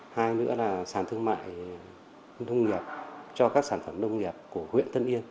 hai nữa là sản thương mại nông nghiệp cho các sản phẩm nông nghiệp của huyện tân yên